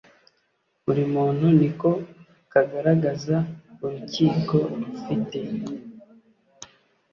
buri muntu ni ko kagaragaza urukiko rufite